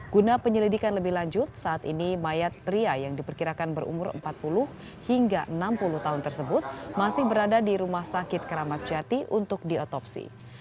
guna penyelidikan lebih lanjut saat ini mayat pria yang diperkirakan berumur empat puluh hingga enam puluh tahun tersebut masih berada di rumah sakit keramat jati untuk diotopsi